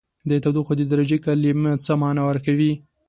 د تودوخې د درجې کلمه څه معنا ورکوي؟